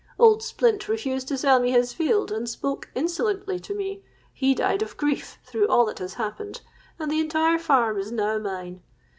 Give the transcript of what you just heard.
Old Splint refused to sell me his field, and spoke insolently to me: he died of grief through all that has happened, and the entire farm is now mine.